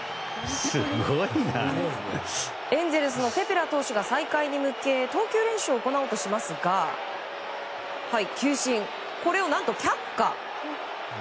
エンゼルスのテペラ投手が再開に向け投球練習を行おうとしますが球審、これを何と却下。